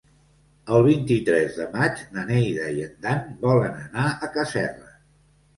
El vint-i-tres de maig na Neida i en Dan volen anar a Casserres.